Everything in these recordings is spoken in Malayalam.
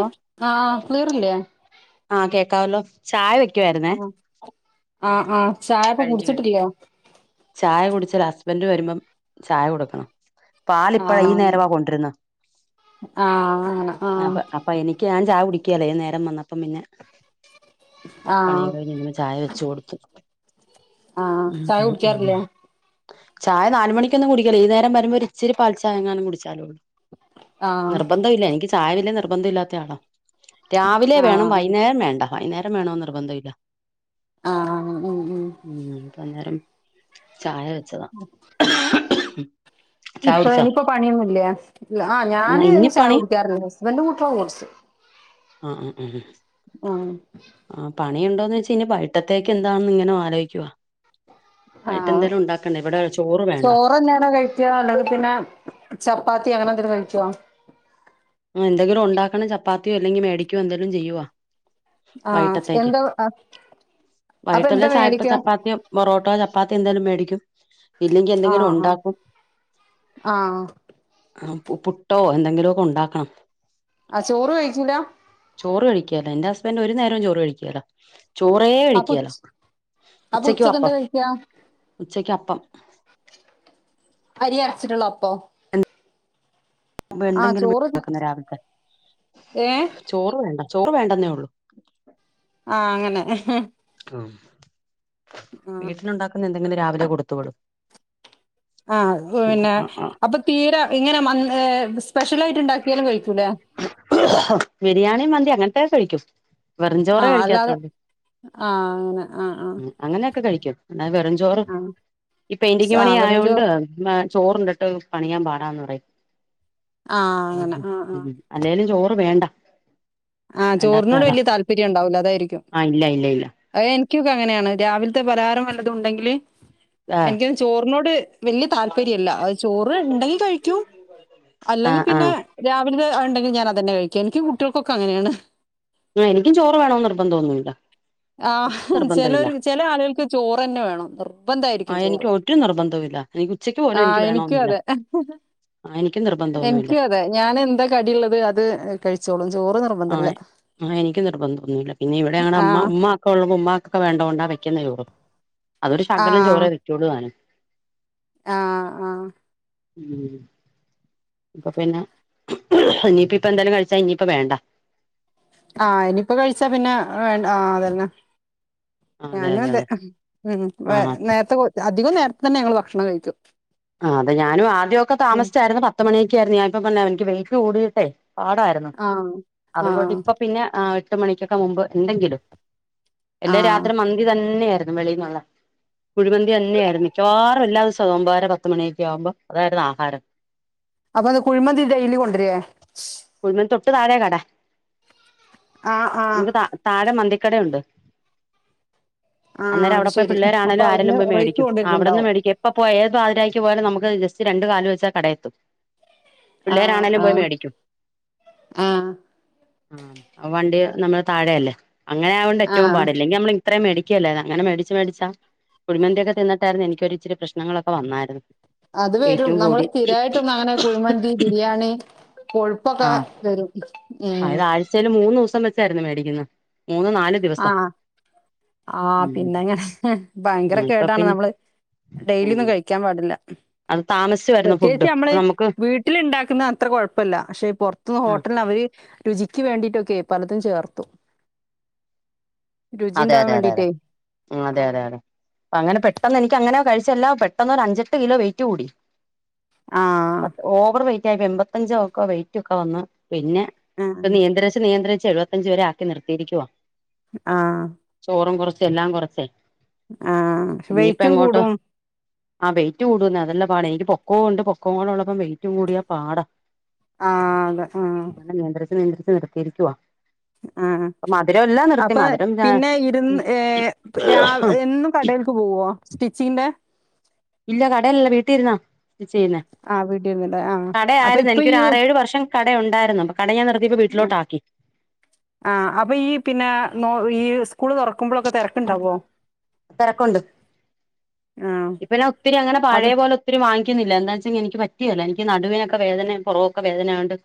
ആഹ് ആഹ് ക്ളീയറില്ലേ ആഹ് കേക്കാവല്ലോ ചായ വെക്കുവായിര്ന്നേ ആഹ് ആഹ് ആഹ് ചായപ്പൊ കഴിഞ്ഞു കഴിഞ്ഞു കുടിച്ചിട്ടില്ലേ ചായ കുടിച്ചാൽ ഹസ്ബൻ്റ് വരുമ്പം ചായ കൊടുക്കണം പാല് ഇപ്പഴ ഈ ആഹ് നേരവാ കൊണ്ടിര്ന്ന് ആഹ് അങ്ങനെ ആഹ് അ പ്പൊ എനിക്ക് ഞാൻ ചായ കുടിക്കല്ലേ നേരം വന്നപ്പം പിന്നെ പണി ആഹ് കഴിഞ്ഞ്ക്ണ് ചായ വെച്ച് കൊടുത്തു ആഹ് ഉം ചായ ഉം ഉം കുടിക്കാറില്ലേ ചായ നാല് മണിക്കൊന്നും കുടിക്കല്ല ഈ നേരം വരുമ്പോ ഇച്ചരി പാൽ ചായ എങ്ങാനും കുടിച്ചാലൊള്ളൂ ആഹ് നിർബന്ധം ഇല്ല എനിക്ക് ചായ വല്ല്യ നിർബന്ധം ഇല്ലാത്ത ആളാ രാവി വേണം ആഹ് വൈന്നേരം വേണ്ട വൈന്നേരം വേണോന്ന് നിർബന്ധം ഇല്ല ആഹ് ഉം ഉം വൈന്നേരം ചായ വെച്ചതാ [inaudible] ചായ ഇപ്പൊ കുടിച്ചോ ഇനിപ്പോ പണിയൊന്നുല്ലേ ആ ഞാന് ഇനി ചായ പണി കുടിക്കാർന്ന് ഹസ്ബൻറും കൂട്ടിക കുട്ച്ച് ആഹ് ഉം ഉം ഉം ഉം ആഹ് പണിണ്ടോന്ന് വെച്ചയ്ഞ്ഞ വൈട്ടത്തേക്ക് എന്താണെന്ന് ഇങ്ങനെ ആലോയ്ക്കുവ വയിട്ട് എന്തേലും ഉണ്ടാക്കണ്ടേ ഇവിടെ ചോറ് വേണ്ട. ഓ ഞടോ കയി [unintelligible] ചപ്പാത്തി അങ്ങനെ എന്തെലും കഴിക്കോ? ആ എന്തങ്കിലും ഉണ്ടാക്കണം ചപ്പാത്തിയോ ഇല്ലങ്കി മേടിക്കോ എന്തെലും ചെയ്യുവാ ആഹ് വൈട്ടത്തേക്ക് എന്താ അപ്പൊ എന്താ വൈട്ടള്ള ചായപ്പ മേടിക്കാ ചപ്പാത്തിയൊ പൊറോട്ടോ ചപ്പാത്തി എന്തേലും മേടിക്കും ഇല്ലെങ്കി ആഹ് എന്തെങ്കിലും ആഹ് ഉണ്ടാക്കും ആഹ് ആഹ് പുട്ടോ എന്തെങ്കിലൊക്കെ ഉണ്ടാക്കണം ആഹ് ചോറ് കഴിച്ചില്ലാ ചോറ് കഴിക്കേല്ലാ എന്റെ ഹസ്ബൻറ് ഒരു നേരം ചോറ് കഴിക്കേല്ലാ ചോറേ അപ്പൊ കഴിക്കേലാ ഉച് അപ്പൊ ഉച്ചക്കും അപ്പം ഉച്ചക്കെന്താ കഴിക്കാ ഉച്ചക്ക അപ്പം അരി അരച്ചിട്ടുള്ള അപ്പൊ ആഹാ എന്തെങ്കിലും ചോറ് ഉണ്ടാക്കുന്ന രാവിലത്തെ ഏഹ് ചോറ് വേണ്ട ചോറ് വേണ്ടന്നേ ഉള്ളൂ ആഹാ അങ്ങനെ ഉം വീട്ടിലുണ്ടാക്കുന്ന എന്തെങ്കിലും രാവിലെ കൊടുത്തു വിടും ആ ഉം, പിന്നെ ആ, ആ, അപ്പൊ തീരെ ഇങ്ങനെ മന് ഏ സ്പെഷ്യൽ ആയിട്ട് ഇണ്ടാക്കിയാലും കഴിക്കൂല്ലേ ബിരിയാണിം മന്തി അങ്ങൻത്തെ കഴിക്കും ആ വെറ്ഞ്ചോറെ അല്ലാതെ കഴിക്കാത്തൊള്ളൂ ആ അങ്ങനെ ആ ആ ഉം അങ്ങനെക്കെ കഴിക്കും എന്നാൽ വെറ്ഞ്ചോറ് ആ ഈ പെയിന്റിംഗ് പണി സാവറഞ്ചോ ആയോണ്ട് ചോറ്ണ്ടിട്ട് പണിയാൻ പാടാന്ന് പറയും ആ അങ്ങനെ ഉം ആ ആ അല്ലേലും ചോറ് വേണ്ട ആഹ് വേണ്ടാത്ത ചോറിനോട് ആളാ വല്ല്യ താല്പര്യം ഉണ്ടാവൂല അതായിരിക്കും ആ ഇല്ല ഇല്ല ഇല്ല അത് എൻക്കൊക്കെ അങ്ങനെയാണ് രാവിൽത്തെ പലഹാരം വല്ലതും ഉണ്ടെങ്കില് ആ എനിക്ക് ചോറിനോട് വല്ല്യ താല്പര്യല്ല ചോറ് ഉണ്ടെങ്കി കഴിക്കും അല്ലെങ്കിൽ ആ ആ പിന്നെ രാവിൽത്തെ ഉണ്ടെങ്കി ഞാനതന്നെ കഴിക്ക എൻക്ക് കുട്ടിയാൾക്കൊക്കെ അങ്ങനെയാണ് ആ എനിക്ക് ചോറ് വേണോന്ന് നിർബന്ധൊന്നുല്ല ആഹും ചെലൊരു ചെല ആളുകൾക്ക് ചോറെന്നെ വേണം നിർബന്ധായിരിക്കും ആ ചോറ്. എനിക്ക് ഒരു നിർബന്ധോ ഇല്ല ആഹ് എനിക്കു അതെ ആ എനിക്ക് നിർബന്ധൊ എൻക്കു അതെ ഞാൻ എന്താ കടിള്ളത് അത് കഴിച്ചോളും ചോറ് നിർ ആഹ് ആഹ് എനിക്ക് നിർബന്ധൊന്നൂല്ല പിന്നെ ഇവിടെ ഞങ്ങടെ അമ്മ ആഹ് ഉമ്മ [unintelligible] ഉമ്മാക്കൊക്ക വേണ്ടോണ്ടാ വെക്കുന്ന ചോറ് അതൊരു ശകലം ചോറെ ആഹ് വെക്കൊള്ളു താനും ആഹ് ആഹ് മ്മ് ഇപ്പൊ പിന്നെ ഇനിയിപ്പിപ്പെന്തലും കഴിച്ചാ ഇനിയിപ്പ വേണ്ട ആഹ് എനിപ്പോ കഴിച്ചാ പിന്നെ വേണ്ട് ആഹ് അതെന്നെ ഞാനും അതെ അം ഉം വ ആഹ് നേർത്തെ കൊ അധികം നേർത്തെ തന്നെ ഞങ്ങള് ഭക്ഷണം കഴിക്ക ആഹ് അതെ ഞാനു ആദ്യൊക്കെ താമസിച്ചായിരുന്നു പത്ത് മണിയൊക്കെ ആയിരുന്നു ഞാനിപ്പ പിന്നെ എനിക്ക് വെയ്റ്റ് കൂടീട്ടെ പാടായിരു ആഹ് അതുകൊട്ട് ആഹ് ഇപ്പ പിന്നെ ആ ട്ട് മണിക്കൊക്കെ മുമ്പ് എന്തെങ്കിടും എല്ല ആഹ് രാത്രി മന്ന് ന്തി തന്നെയായിരുന്നു വെളീന്നൊള്ളെ കുഴിമന്തി എന്നെയായിരുന്നു മിക്കവാറു എല്ലാ ഈസോ ഒമ്പഅര പത്ത് ത്ത് മണിയൊക്ക്യാവുമ്പോ അതായിരുന്നു ആഹാരം അപ്പൊ ങ്ങക് കുഴിമന്തി ഡെയിലി കൊണ്ടരേ കുഴിമന്തി തൊട്ട് താഴെ കട ആഹ് ആഹ് ക്ക് ത-താഴെ മന്തിക്കടയുണ്ട് ആഹ് അന്നേര അത് അവിടെയിപ്പൊ ശെരി അപ്പൊ പിള്ളേരാണെലും അവിടുന്ന് ആരെല്ലും പോയ്‌ റൈസ് മേടിക്കും ആവിടെന്ന് കൊണ്ടരുന്നുണ്ടാവും. മേടിക്ക പ്പ പോയ് ഏത് പാതിരാക്ക് പോയാലും നമുക്ക് ജസ്റ്റ് രണ്ടു കാല് വെച്ചാ കടയെത്തും ആഹ് പിള്ളേരാണേലും പോയി ആഹ് മേടിക്കും ആഹ് ആഹ് ആ വണ്ടി നമ്മളെ താഴെ അല്ലേ അങ്ങനെ ആയോണ്ട് എറ്റോം ആഹ് പാട് ഇല്ലങ്കി ഞമ്മളി ത്രേം മേടിക്കേല്ല അങ്ങനെ മേടിച്ച് മേടിച്ചാ കുഴിമന്തിയൊക്കെ തിന്നിട്ടാർന്ന് എനിക്കൊരിച്ചിരി പ്രശ്നങ്ങളൊക്കെ വന്നാരുന്നു അത് വരും നമ്മള് സ്ഥിരായിട്ടൊന്നു അങ്ങനെ കുഴിമന്തി ബിരിയാണി കൊഴുപ്പൊക്കെ വരും ഉം. അയ്ന് ആഴ്‌ച്ചേല് മൂന്നൂസം വച്ചായിരുന്നു മേടിക്കുന്ന മൂന്നു നാലു ദിവസം ആഹ് ഉം പിന്നെങ്ങനെ ഭയങ്കര ഉം ഇപ്പൊ കേടാണ് പിന്നെ നമ്മള് ഡെയിലി ഉം ഒന്നും കഴിക്കാൻ പാടില്ല അത് താമസിച്ചു വെ പ്രത്യേകിച്ച് ഞമ്മള് വീട്ടില് ണ്ടാക്കുന്ന അത്ര കൊഴപ്പല്ല പക്ഷെ പൊർത്തു ആഹ് ഹോട്ടൽന് അവര് രുചിക്ക് വേണ്ടിയിട്ടൊക്കെയ് പലതും ചേർത്തു രുചി അതെ ഉണ്ടാവാൻ അതെ അതെ അതെ വേണ്ടിയിട്ടേ ആഹ് അതെ അതെ ആ അതെ അങ്ങനെ പെട്ടെന്ന് എനിക്ക് അങ്ങനെ കഴിച്ച എല്ലാം പെട്ടന്ന് ഒരു അഞ്ചട്ട് കിലോ വെയിറ്റ് കൂടി ആ പക് ഓവർ വെറ്റ് ആയപ്പോ എൺപത്തഞ്ചോക്ക വെയ്റ്റ് ഒക്കെ വന്ന് പിന്നെ പ്പൊ നിയന്ത്രിച്ച് നിയന്ത്രിച്ച് എഴുവത്തിയഞ്ച് വരെ ആക്കി നിർത്തിയിരിക്കുവാ ആഹ് ചോറും കൊറച്ച് എല്ലാം കൊറച്ചേ ആഹ് ക്ഷെ വെയ്റ്റും കൂടും ആഹ് വെയിറ്റ് കൂടുന്ന് അതല്ല പാടെയ് റ്റ് പൊക്കോ ഒണ്ട് പൊക്കോംടെ ഒള്ളപ്പം വെറ്റും കൂടിയാ പാടാ ആഹ് അതെ ആഹ് അങ്ങനെ നിയന്ത്രിച്ച് നിയന്ത്രിച്ച് നിർത്തിയിരിക്കുവാ ആഹ് അപ്പൊ മധുരം എല്ലാം നിർത്തി അപ്പൊ മധുരം പിന്നെ ഇരുന്ന് ഏ പ് രാവ് ഏ ന്നും കടേൽക്ക് പോവോ സ്റ്റിച്ചിങ്ങിന്റെ ഇല്ല കടല്ല വീട്ടി ഇരുന്നാ ത് ചെയ്യുന്നേ ആഹ് വീട്ടിരുന്നിട്ട് ആഹ്. അപ്പൊ കടയായിരുന്നു ഇപ്പൊ ഈ എനിക്കൊരു ആറേഴ് വർഷം കടയൊണ്ടായിരുന്നു പ്പ കട ഞാൻ നിർത്തിയപ്പോ ആഹ് വീലോട്ടാക്കി ആഹ് അപ്പൊ ഈ പിന്നെ നോ ഈ സ്കൂള് തൊറക്കുമ്പളൊക്കെ തെരക്ക്ണ്ടാവോ തെരക്കുണ്ട് ആഹ് ഇപ്പ ഞാൻ ഒത്തിരി അങ്ങനെ അത് പഴേ പോലെ ത്തിരി വാങ്ങിക്കുന്നില്ല എന്താച്ചെങ്കി എനിക്ക് പറ്റ്കേല്ല എനിക്ക് നടുവേക്കെ വേദനെ പൊറോക്കെ വേദനെയാണ്ട്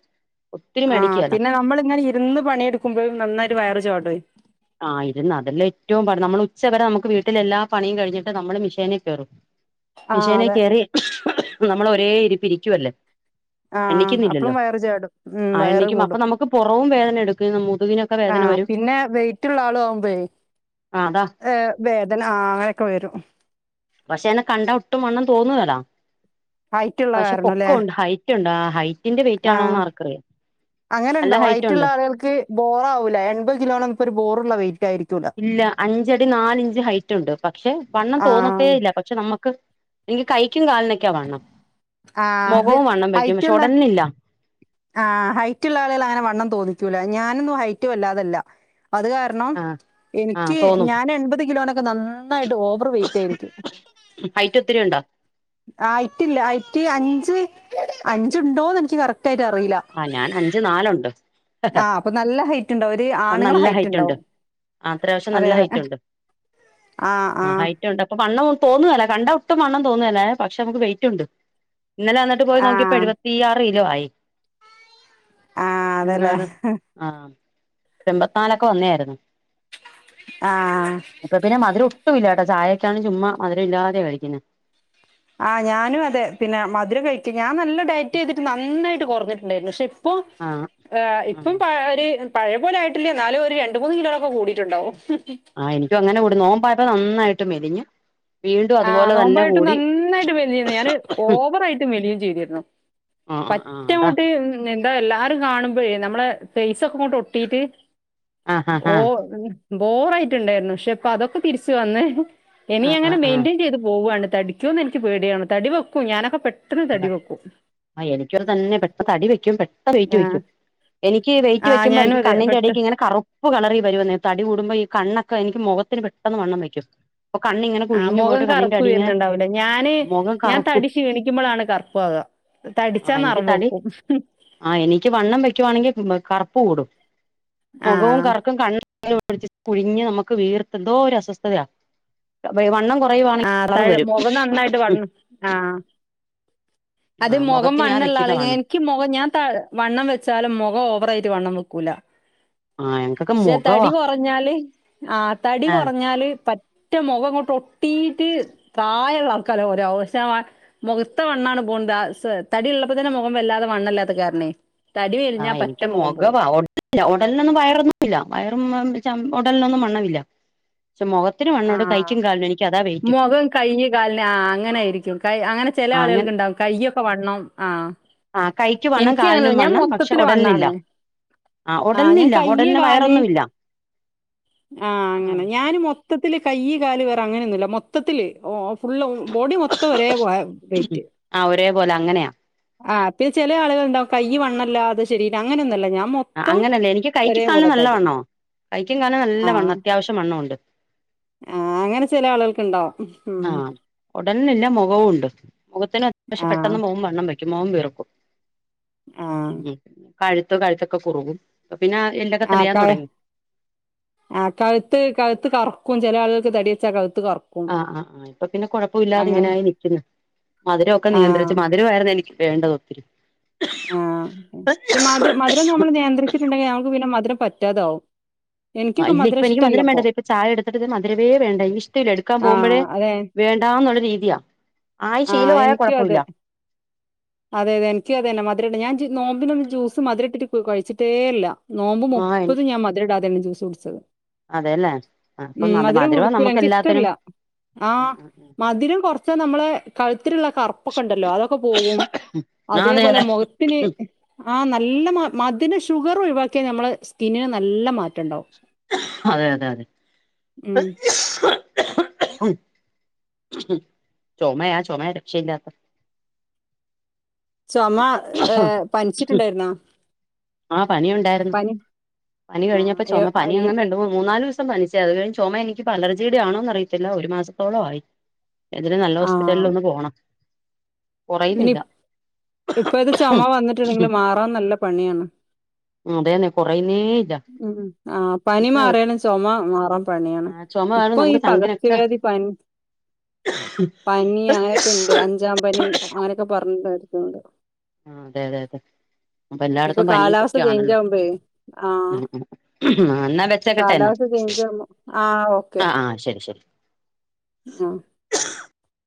ആഹ് പിന്നെ നമ്മളിങ്ങനെ ഇര്ന്ന് പണിയെടുക്കുമ്പഴും നന്നായിട്ട് വയറ് ചോടുവെയ് ആഹ് ഇത്നടുള് ഏറ്റം പാട് നമ്മൾ ഉച്ചവരെ നമുക്ക് വീട്ടിലെല്ലാ പണീം കഴിഞ്ഞിട്ട് നമ്മള് മിഷേനൽ കയറും. ആഹ് മഷേനിൽ അതെ കേറി നമ്മളൊരേ ഇരിപ്പ് ഇരിക്കുവല്ലേ. ആഹ് എണ്ണിക്കുന്നില്ലല്ലോ അപ്പളും വയറ് ചാടും. ഉം ആഹ് വയറ് എണ്ണിക്കുമ്പോ അപ്പൊ കൂടും. നമുക്ക് പൊറവും വേദനെടുക്കേ ന്നംമുതകിനൊ ആഹ് പിന്നെ വെയിറ്റുള്ള ആളു ആവുമ്പേ ആ അതാ ഏഹ് വേദന ആഹ് അങ്ങനൊക്കെ വരും. പക്ഷെ എന്നെ കണ്ട ഒട്ടും വണ്ണം തോന്നുഏല ഹൈറ്റുള്ള പക്ഷെ കാരണംല്ലേ? പൊക്കോണ്ട് ഹൈ റ്റുണ്ട് ആ ഹൈറ്റിന്റെ വെയിറ്റാണോന്ന് ആഹ് ആർക്കറിയാ നല്ല ഹൈറ്റുണ്ട്. ബോറാവൂല്ലെ എൺപത് കിലോണം പ്പൊരു ബോറുള്ള വെയ്റ്റായിരിക്കും ഇല്ല അഞ്ചടി നാലിഞ്ച് ഹൈറ്റുണ്ട്. പക്ഷെ വണ്ണം തോന്നത്തേ ആഹ് ഇല്ല. പ ക്ഷെ നമ്മുക്ക് ഇൻക്ക് കൈക്കും കാലിനൊക്കെയാ വണ്ണം. ആഹ് അത് മൊഖവും വണ്ണം വയ്ക്കും പക്ഷെ ഒടൽനില്ല. ആ ഹൈറ്റുള്ള ആള്കൾ അങ്ങനെ വണ്ണം തോന്നിക്കൂല. ഞാനൊന്നും ഹൈറ്റ് വല്ലാതല്ല അത് കാര ണം ആ ആ എനിക്ക് തോന്നും ഞാൻ എൺപത് കിലോനൊക്കെ നന്നായിട്ട് ഓവർ വൈറ്റായിരിക്കും. ഹൈറ്റൊത്തിരിയുണ്ടോ? ആ അയ്റ്റില്ല അയ്റ്റ് അഞ്ച് അഞ്ച്ണ്ടോന്ന് എൻക്ക് കറക്റ്റായിട്ടറിയില്ല. ആ ഞാൻ അഞ്ച് നാലുണ്ട്. ആ അപ്പൊ നല്ല ഹൈറ്റുണ്ടാവു ഒരു ആണുങ്ങളെ നല്ല ഹൈറ്റ് ഉണ്ട് ഹൈറ്റുണ്ടാവും. ആ അത്യാവശ്യം അതെ നല്ല അതെ ഹൈറ്റ് അ് ആഹ് ആഹ് റ്റുണ്ട് അപ്പൊ വണ്ണം തോന്നേല കണ്ട ഒട്ടും വണ്ണം തോന്നേലേ പക്ഷെ നമുക്ക് വെയിറ്റുണ്ട്. ഇന്നലെ ന്നി ട്ട് പോയി നോക്കിയപ്പോ ആഹ് എഴുപത്തിയാറ് കിലോ ആയി. ആഹ് അതെല്ലേ എന്തിനാട് ആഹ് എൻമ്പത്ത്നാലൊക്കെ വന്നേആയിരുന്നു. ആഹ്. ഇപ്പൊ പിന്നെ മധുരൊട്ടു ഇല്ലാട്ടോ ചായക്കാണ് ചുമ്മാ മധുരല്ലാതെ കഴിക്കുന്നേ. ആ ഞാനു അതെ പിന്നെ മധുര കഴിറ്റ് ഞാൻ നല്ല ഡയറ്റെയ്തിട്ട് നന്നായിട്ട് കൊറ്ഞ്ഞിട്ടുണ്ടായിരുന്നു പക്ഷെ ഇ പ്പൊഹ് ആ ഏഹ് ആ ഇപ്പം പഴേ ഒരു പഴയ പോലെയായിട്ടില്ല ഇന്നാലും ഒരു രണ്ട് മൂന്ന് കിലോനൊക്കെ കൂടിയിട്ടുണ്ടാവും. ആ എനിക്കൊങ്ങനെ കൂടി നോമ്പായപ്പോ നന്നായിട്ട് മെലിഞ്ഞു. ആ നോമ്പായിട്ടും നന്നായിട്ട് മെലിഞ്ഞിന്നു. ഞാന് ഓവറായിട്ടു മെലിയും ചെയ്തിരുന്നു. ആ ആ ആ പറ്റ അതാ അങ്ങോട്ട് എന്താ എല്ലാരും കാണുമ്പോഴെ നമ്മളെ ഫെയ്സൊക്കെങ്ങോട്ടൊട്ടീട്ട് ആ ആ ഓ ആ ബോറായിട്ടുണ്ടായിരുന്നു ക്ഷെ ഇപ്പ അതൊക്കെ തിരിച്ചു വന്നേ എനി ആ അങ്ങനെ ആ മെയിൻ്റെയിൻ ചെയ്ത് പോവാണ്. തടിക്കോന്ന് എനിക്ക് പേടിയാണ്. തടി വെക്കും ഞാനൊക്കെ പെ ആ എനിക്കതു തന്നെ പെട്ട് തടി വെക്കും പെട്ട വെയിറ്റ് ആ വെക്കും. എനിക്ക് ഈ വെയ്റ്റ് ആ വെക്കുമ്പോ ഞാനും എനിക്ക് അതെ കണ്ണിന്റെ പെട്ടെന്ന് അടിയൊക്കെ ഇങ്ങെനെ കറു പ്പു കളറിൽ വരുവന്നെ തടി കൂടുമ്പോ ഈ കണ്ണൊെക്കെ എനിക്ക് മുഖത്തിന് പെട്ടെന്ന് വണ്ണം വയ്ക്കും. പ്പൊ കണ്ണിങ്ങ ആ മുഖം കറുപ്പ് വരുന്നുണ്ടാവൂല്ല. ഞാന് മുഖം ഞാൻ കറുക്കും തടി ക്ഷീണിക്കുമ്പളാണ് കറുപ്പാക. ആ എനിക്ക് തടി ആഹ് എനിക്ക് വണ്ണം വെക്കുവാണെങ്കിൽ കറുപ്പ് കൂടും. മുഖവും ആഹ് കറുക്കും കണ് [unintelligible] കുഴിഞ്ഞ് നമുക്ക് വീർത്ത് ന്തോ ഒരു അസ്വസ്ഥതയാ. അപ്പഈ വണ്ണകൊ യുവാണെങ്കി ആഹ് കളർ വരും. ത വൺ ആഹ് അത് ആ മൊഖം മുഖത്തിനാ വണ്ണല്ലാൾ വെക്കുന്ന ഞാൻ വണ്ണം ക്ക് മൊഖ ഞാൻ ത വണ്ണം വെച്ചാലും മൊഖം ഓവറായിട്ട് വണ്ണം വെക്കൂല. ആ ഞങ്ങക്കൊക്കെ ക്ഷെ തടി മുഖവാ കൊറഞ്ഞാല് ആ തടി ആ കൊറഞ്ഞാല് പ റ്റ മൊഖങ്ങോട്ട് ഒട്ടീട്ട് പ്രായല്ലാൾക്കാല്ലേ പോലെ ആവും. പക്ഷേ അ മൊഖത്തെ വണ്ണാണ് പോൺത് അ സ് തടി ഉള്ളപ്പോ തന്നെ മൊഖം വല്ലാതെ വണ്ണല്ലാത്ത കാരണേ. തടി വെലിഞ്ഞാ പറ്റ മൊഖം പോവും. ഒടലിനൊന്നും വയറൊന്നും ഇല്ല വയറൊന്ന് ചം ഉടലിനൊന്നും മണ്ണമില്ല. പക്ഷെ മൊഖ ആ മൊഖം കയ്യ് കാലിന് ആ അങ്ങനായിരിക്കും. കയ് അങ്ങനെ ചെല ആ അങ്ങനെ ആളുകൾക്കുണ്ടാവും. കയ്യൊക്കെ വണ്ണം ആ. ആ കൈക്ക് വണ്ണം എനിക്ക് കാലിനും അങ്ങനല്ല ഞാൻ മണ്ണം പക്ഷ് മൊത്തത്തില് ഒടൽന്ല്ല വണ്ണാണ് ആ ഞാൻ ഒടലിനില്ല കയ്യ് ഒടലിന് വയറൊന്നുമില്ല ആഹ് ആ അങ്ങനെ ഞാന് മൊത്തം മൊത്തത്തില് കൈ കാല് വേറെ അങ്ങനെയൊന്നുംല്ല മൊത്തത്തില് ഓഹ് ഫുള്ള് ബോഡി മൊത്തം ഒരേ പോലെ ആഹ് ഒരേ പോലെ അങ്ങനെയാ ആഹ് പിന്നെ ചെല ആളുകളുണ്ടാവും കൈയ്യ് വണ്ണം ഇല്ലാതെ ശരിരം അങ്ങനൊന്നുല്ല ഞാൻ മൊ ആഹ് അങ്ങനയല്ല. എനിക്ക് കൈയിക്കും കാലിനും നല്ല വണ്ണവാ. കൈയിക്കും കാലിനും നല്ല വണ്ണം അത്യാവശ്യം വണ്ണമുണ്ട്. ആഹ് അങ്ങനെ ചെല ആളുകൾക്ക് ഇണ്ടാവും ആഹ് ഉടലിനില്ല മൊഖവും ഉണ്ട് മുഖത്തിന് ആ അത്യാവശ്യം പെട്ടെന്ന് മുഖം വണ്ണം വെയ്ക്കും മുഖം വീർക്കും. ആ കഴുത്ത് കഴുത്തൊക്കെ കുറുകും. പിന്നെ എല്ലൊക്കെ തെളിയാൻ തൊടങ്ങി ആഹ് കഴുത്ത് കഴുത്ത് കറക്കും. ചില ആളുകൾക്ക് തടി വെച്ചാ കഴുത്ത് കറു ആ ആ ആ ഇപ്പൊ പിന്നെ കൊഴപ്പമില്ലാതെ ഇങ്ങനെ ആയി നൽക്കുന്നു. മധുരമൊക്കെ ആ നിയന്ത്രിച്ച് മധു മധുരവായിരുന്നു എനിക്ക് വേണ്ടത് ഒത്തിരി ആഹ് മധുര മധുരം നമ്മള് നിയന്ത്രിച്ചിട്ടുണ്ടെങ്കിൽ ഞമ്മുക്ക് പിന്നെ മധുരം പറ്റാതെ ആവും. ആഹ് ഇല്ല ഇപ്പൊ എനിക്ക് മധുരം വേണ്ടല്ലോ. ഇപ്പോ ചായ എടുത്തിട്ട് മധുരവേ വേണ്ട. എനിക്ക് ഇഷ്ടമില്ല എടുക്കാൻ പോകുമ്പഴേ ആഹ് അതെ വേണ്ടാന്നുള്ള രീതിയാ ആയി ആഹ് ശീലവായ എനിക്കും കൊഴപ്പൊവില്ല അതെ അതെ അതെ എനിക്ക് അത് തന്നെ മധുരമിട്ട് ഞാൻ നോമ്പിനൊന്നും ജ്യൂസ് മധുരഇട്ടിട്ട് കഴിച്ചിട്ടേ ഇല്ല നോമ്പ് ആഹ് മുപ്പതും ഞാൻ മധുരമിടാതെ യാണ് ജ്യൂസ് കുടിച്ചത്. അതെല്ലേ ആഹ് ഉം അപ്പം അത് മധുരവാ മധുരംകുടിക്കൂല നമുക്ക് എനക്ക് എല്ലാത്തിനും ഇഷ്ടമില്ല. ആഹ് മധുരം കൊറച്ചാ നമ്മളെ കഴുത്തിലുള്ള കറുപ്പൊക്കെ ഇണ്ടല്ലോ അതൊക്കെ പോകും അതേ അതെ പോലെ അതെ മുഖത്തിന് ആ നല്ല മധുരം ഷുഗർ ഒഴിവാക്കിയ നമ്മളെ സ്കിന്നിന് നല്ല മാറ്റ അതെ അതെ അതെ ഉം ചൊമയാ ചൊമയാ രക്ഷയില്ലാത്ത ചുമ ഏഹ് പനിച്ചിട്ടുണ്ടായിരുന്നോ? ആഹ് പനി ഉണ്ടായിരുന്നു. പനി പനി കഴിഞ്ഞപ്പോ ആഹ് ചുമ പനി അയിൽ അങ്ങനെ ഉണ്ട മൂന്നാല് ദിവസ പനിച്ചേ അത് കഴിഞ്ഞ് ചുമ എനിക്കിപ്പോ അലജിയുടെ ആണോ അറിയത്തില്ല. ഒരു മാസത്തോളം ആയി. എതേലും നല്ല ഹോസ്പിറ്റലിൽ ആഹ് ഒന്ന് പോണം ഇനി കുറയുന്നില്ല ഇപ്പഴത് ചൊമ വന്നിട്ടുണ്ടെങ്കിൽ മാറാൻ നല്ല പണിയാണ് അതേന്നെ കുറയുന്നേ ഇല്ല ഉം ആഹ് പനി എനിക്ക് മാറിയാലും ചൊമ മാറാൻ പണിയാണ് ആഹ് ചുമ കാരണം ഇപ്പൊ ഈ നമുക്ക് ചങ്കിനൊക്കെ പകർച്ചവ്യാധി പനി പനി അങ്ങനെയൊക്കെ ഇണ്ട് ആഹ് അഞ്ചാം പനി അങ്ങനെയൊക്കെ പറഞ്ഞ് ഓരോന്ന്ണ്ട് ആഹ് അതെ അതെ അതെ അപ്പൊ ഇപ്പൊ എല്ലാടത്തും കാലാവസ്ഥ പനിയൊക്കെ ചേഞ്ച് ആണല്ലോ ആവുമ്പേ ആഹ് എന്നാ വെ വെച്ചേക്കട്ടെ എന്നാ കാലാവസ്ഥ ചേഞ്ച് ആവുമ്പോ ആഹ് ഓക്കെ ആഹ് ആഹ് ശരി ശരി ആഹ്